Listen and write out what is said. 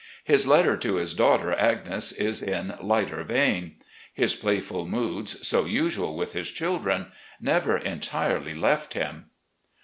His letter to his daughter Agnes is in lighter vein. His playful moods, so usual with his children, never entirely left him.